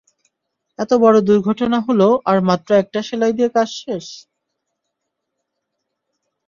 এত বড় দূর্ঘটনা হলো আর মাত্র একটা সেলাই দিয়ে কাজ শেষ।